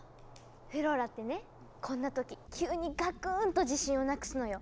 フローラってねこんな時急にガクーンと自信をなくすのよ。